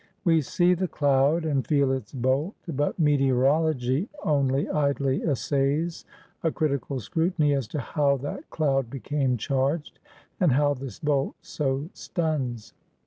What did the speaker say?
We see the cloud, and feel its bolt; but meteorology only idly essays a critical scrutiny as to how that cloud became charged, and how this bolt so stuns.